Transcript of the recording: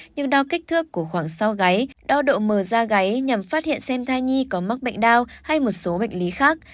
nhưng đo kích thước của khoảng sau gáy đo độ mờ da gáy nhằm phát hiện xem thai nhi có mắc bệnh đau hay một số bệnh lý khác